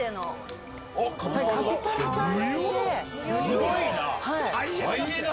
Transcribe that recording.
すごいな！